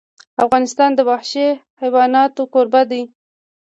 افغانستان د وحشي حیوانات کوربه دی.